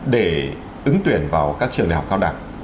để ứng tuyển vào các trường đại học cao đẳng